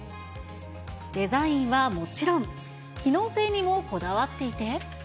デザインはもちろん、機能性にもこだわっていて。